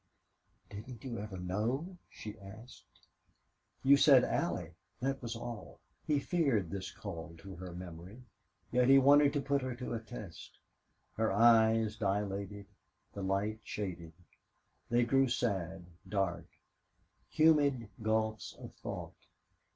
"Didn't you ever know?" she asked. "You said Allie. That was all." He feared this call to her memory, yet he wanted to put her to a test. Her eyes dilated the light shaded; they grew sad, dark, humid gulfs of thought.